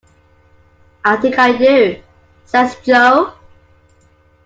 "I think I do," says Jo.